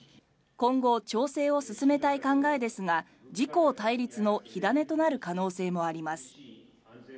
今後、調整を進めたい考えですが自公対立の火種となる可能性もあります。